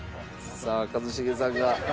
さあ一茂さんが。